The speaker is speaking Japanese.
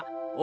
お？